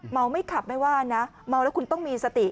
ไม่ขับไม่ว่านะเมาแล้วคุณต้องมีสติ